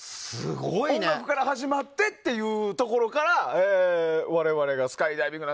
音楽から始まるというところから我々がスカイダイビングだ